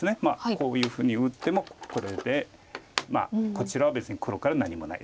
こういうふうに打ってもこれでこちらは別に黒から何もない。